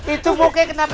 itu pokoknya kenapa